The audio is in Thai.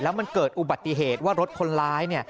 มันเกิดอุบัติเหตุว่ารถคนร้าย